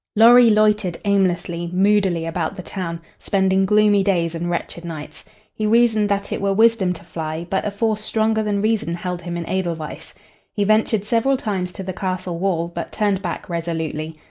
Lorry loitered aimlessly, moodily about the town, spending gloomy days and wretched nights. He reasoned that it were wisdom to fly, but a force stronger than reason held him in Edelweiss. He ventured several times to the castle wall, but turned back resolutely.